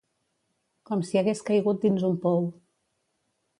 Com si hagués caigut dins un pou.